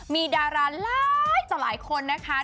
มีดาราหลายต่อหลายคนนะคะ